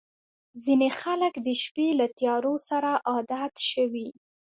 • ځینې خلک د شپې له تیارو سره عادت شوي.